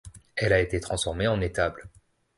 Elle a été transformée en étable.